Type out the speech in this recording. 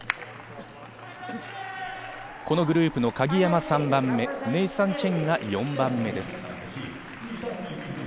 このグループの鍵山３番目、ネイサン・チェンが４番目です。